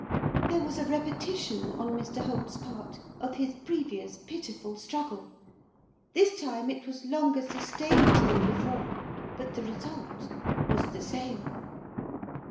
There was a repetition, on Mr Holt's part, of his previous pitiful struggle; this time it was longer sustained than before, but the result was the same.